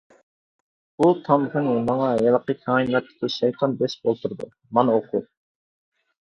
بۇ تامغىنى ماڭا ھېلىقى كائىناتتىكى شەيتان بېسىپ ئولتۇرىدۇ، مانا ئوقۇ!